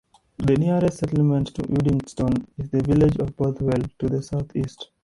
The nearest settlement to Uddingston is the village of Bothwell, to the south-east.